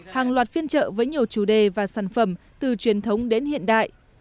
hàng loạt phiên trợ với nhiều chủ đề và sản phẩm từ truyền thống đến hiện đại